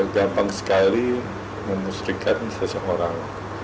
gampang sekali memusrikan seseorang